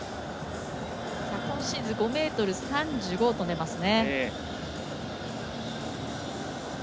今シーズン５ｍ３５を跳んでますね。